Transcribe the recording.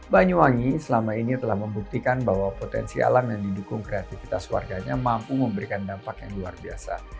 banyuwangi selama ini telah membuktikan bahwa potensi alam yang didukung kreatifitas warganya mampu memberikan dampak yang luar biasa